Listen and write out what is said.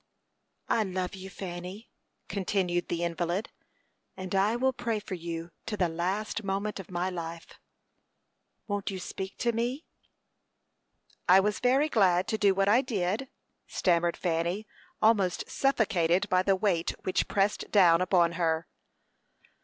"I love you, Fanny," continued the invalid, "and I will pray for you to the last moment of my life. Won't you speak to me?" "I was very glad to do what I did," stammered Fanny, almost suffocated by the weight which pressed down upon her.